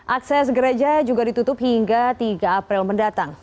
akses gereja juga ditutup hingga tiga april mendatang